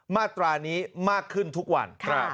มาตรานี้มากขึ้นทุกวัน